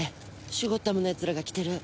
シュゴッダムのやつらが来てる。